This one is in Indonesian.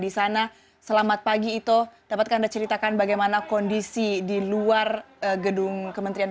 di sana selamat pagi itu dapatkan diceritakan bagaimana kondisi di luar gedung kementerian